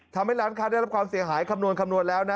ทำให้ร้านค้าได้รับความเสียหายคำนวณคำนวณแล้วนะ